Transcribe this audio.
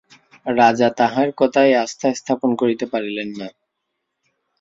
রাজা তাঁহার কথায় আস্থা স্থাপন করিতে পারিলেন না।